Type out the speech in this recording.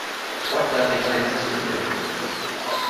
What does a transistor do?